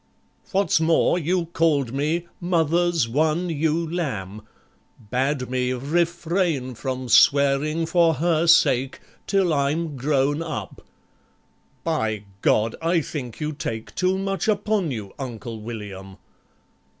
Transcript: What's more, you called me "Mother's one ewe lamb," Bade me "refrain from swearing for her sake Till I'm grown up" ... By God! I think you take Too much upon you, Uncle William!